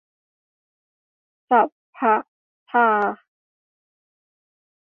สัพพะทา